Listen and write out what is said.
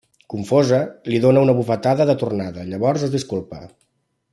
Confosa, li dóna una bufetada de tornada, llavors es disculpa.